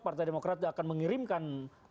partai demokrat akan mengirimkan